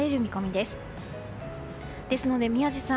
ですので宮司さん